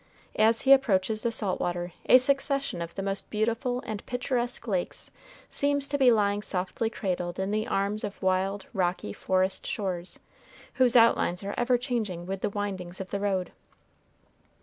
As he approaches the salt water, a succession of the most beautiful and picturesque lakes seems to be lying softly cradled in the arms of wild, rocky forest shores, whose outlines are ever changing with the windings of the road.